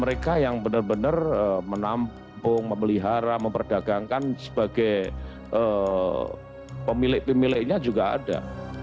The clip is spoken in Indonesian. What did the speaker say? mereka yang benar benar menampung memelihara memperdagangkan sebagai pemilik pemiliknya juga ada